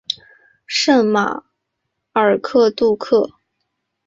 圣马尔克杜科。